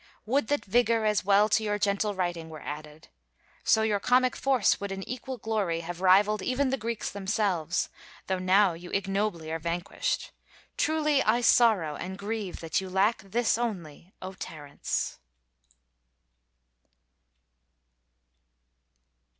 Would that vigor as well to your gentle writing were added. So your comic force would in equal glory have rivaled Even the Greeks themselves, though now you ignobly are vanquished. Truly I sorrow and grieve that you lack this only, O Terence!